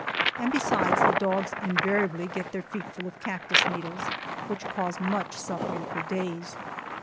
And besides, the dogs invariably get their feet full of cactus needles, which cause much suffering for days.